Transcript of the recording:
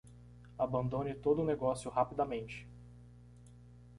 Abandone todo o negócio rapidamente.